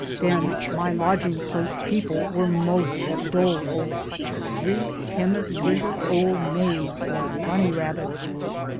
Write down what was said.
Then my lodging place people were most doleful three timid little old maids, like bunnie rabbits.